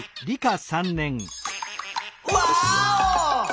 ワーオ！